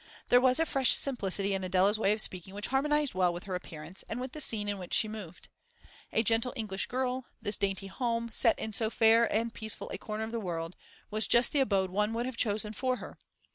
There was a fresh simplicity in Adela's way of speaking which harmonised well with her appearance and with the scene in which she moved. A gentle English girl, this dainty home, set in so fair and peaceful a corner of the world, was just the abode one would have chosen for her.